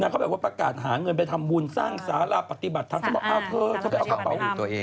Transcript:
นางเขาแบบว่าประกาศหาเงินไปทำบุญสร้างซาระปฏิบัติทางสมภาพเพื่อเอากระเป๋า